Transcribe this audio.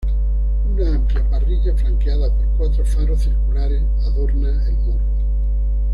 Una amplia parrilla flanqueada por cuatro faros circulares adorna el morro.